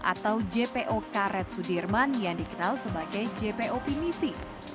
atau jpo karet sudirman yang dikenal sebagai jpo pinisi